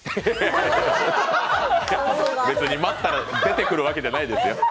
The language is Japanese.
別に待ったら出てくるわけじゃないですよ。